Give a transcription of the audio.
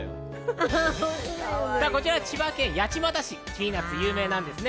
こちら千葉県八街市、ピーナッツで有名なんですね。